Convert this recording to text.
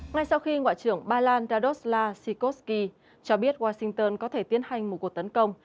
ngay sau khi ngoại trưởng ba lan dadosla sikovsky cho biết washington có thể tiến hành một cuộc tấn công